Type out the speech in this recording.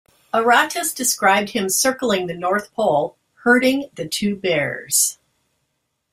Aratus described him circling the north pole, herding the two bears.